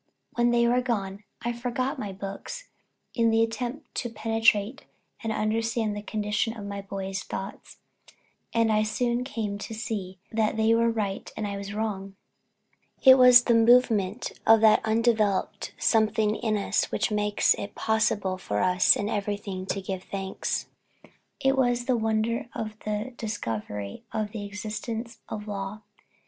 When they were gone, I forgot my books in the attempt to penetrate and understand the condition of my boys' thoughts; and I soon came to see that they were right and I was wrong. It was the movement of that undeveloped something in us which makes it possible for us in everything to give thanks. It was the wonder of the discovery of the existence of law.